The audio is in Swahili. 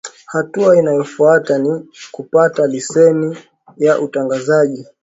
hatua inayofuata ni kupata leseni ya utangazaji